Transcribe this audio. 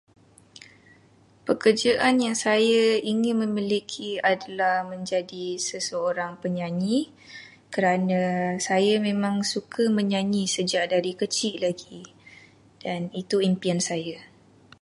Pekerjaan yang saya ingin memiliki adalah menjadi seseorang penyanyi kerana saya memang suka menyanyi sejak dari kecik lagi dan itu impian saya.